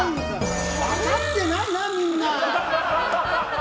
分かってないな、みんな！